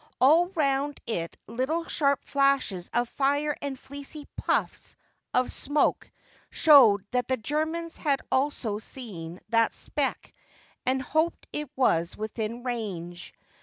All round it little sharp flashes of fire and fleecy puffs of smoke showed that the Germans had also seen that speck and hoped it was within range.